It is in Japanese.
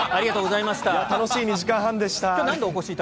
いや、楽しい２時間半でした。